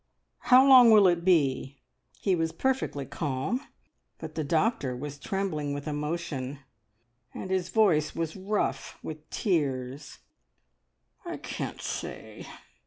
How long will it be?" He was perfectly calm, but the doctor was trembling with emotion, and his voice was rough with tears. "I can't say.